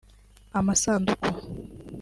amasanduku